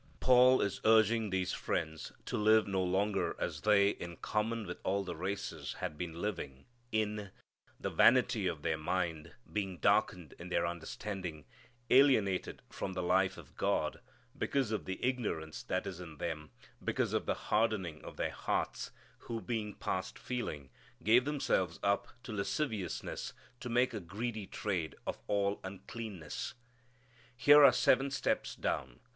Paul is urging these friends to live no longer as they, in common with all the races, had been living, in "the vanity of their mind, being darkened in their understanding, alienated from the life of God, because of the ignorance that is in them, because of the hardening of their hearts; who, being past feeling, gave themselves up to lasciviousness to make a greedy trade of all uncleanness." Here are seven steps down.